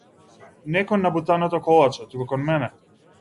Не кон набутаното колаче туку кон мене.